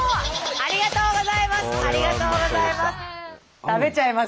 ありがとうございます！